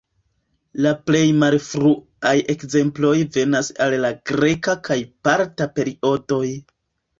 La plej malfruaj ekzemploj venas el la greka kaj parta periodoj.